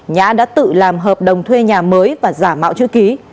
nhã đã tự làm hợp đồng thuê nhà mới và giả mạo chữ ký